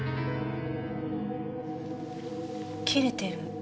切れてる。